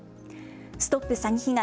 ＳＴＯＰ詐欺被害！